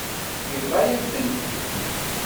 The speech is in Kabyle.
Yebḍa-yam-tent-id.